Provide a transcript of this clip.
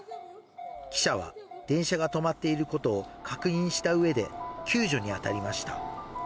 記者は、電車が止まっていることを確認したうえで救助に当たりました。